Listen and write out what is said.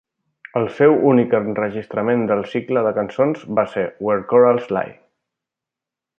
El seu únic enregistrament del cicle de cançons va ser "Where Corals Lie".